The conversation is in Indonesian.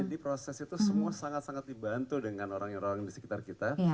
jadi proses itu semua sangat sangat dibantu dengan orang orang di sekitar kita